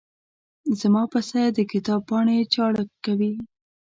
زما پسه د کتاب پاڼې چاړه کوي.